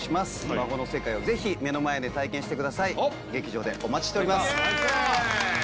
魔法の世界を是非目の前で体験してください劇場でお待ちしておりますよいしょ！